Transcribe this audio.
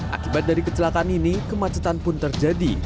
akibat dari kecelakaan ini kemacetan pun terjadi